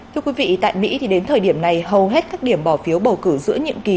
thưa quý vị tại mỹ thì đến thời điểm này hầu hết các điểm bỏ phiếu bầu cử giữa nhiệm kỳ